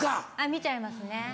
見ちゃいますね。